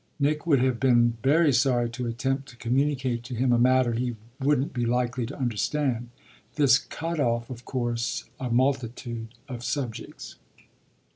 Nick would have been very sorry to attempt to communicate to him a matter he wouldn't be likely to understand. This cut off of course a multitude of subjects.